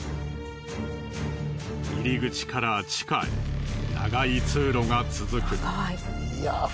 入り口から地下へ長い通路が続く。